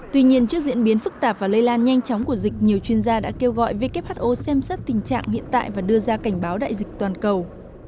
tuy nhiên trước diễn biến phức tạp và lây lan nhanh chóng của dịch nhiều chuyên gia đã kêu gọi who xem xét tình trạng hiện tại và đưa ra cảnh báo đại dịch toàn cầu